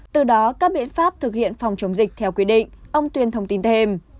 từ đó các biện pháp thực hiện phòng chống dịch theo quy định ông tuyên thông tin thêm